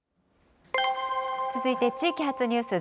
続いて、地域発ニュース。